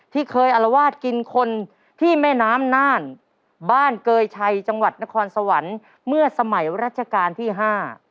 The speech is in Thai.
ที่เคยอารวาสกินคนที่แม่น้ำน่านบ้านเกยชัยจังหวัดนครสวรรค์เมื่อสมัยรัชกาลที่ห้า